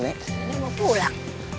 nenek mau pulang